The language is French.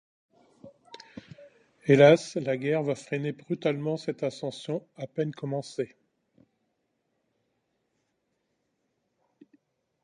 Hélas la guerre va freiner brutalement cette ascension à peine commencée.